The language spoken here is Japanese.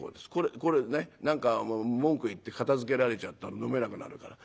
これでね何か文句言って片づけられちゃったら飲めなくなるから。